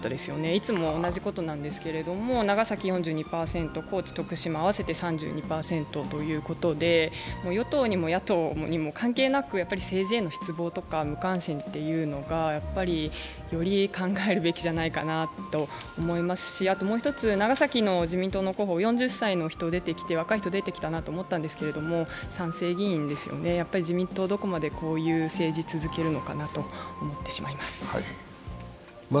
いつも同じことなんですけども、長崎４２％、高知・徳島合わせて３２％ということで与党にも野党にも関係なく政治への失望とか無関心というのがより考えるべきじゃないかなと思いますし、もう１つ、長崎の自民党の候補４０歳の若い人が出てきたなと思ったんですけど３世議員ですよね、自民党はどこまでこういう政治を続けるのかなと思っています。